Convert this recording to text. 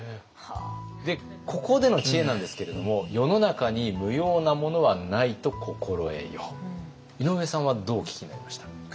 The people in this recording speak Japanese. ここでの知恵なんですけれども井上さんはどうお聞きになりました？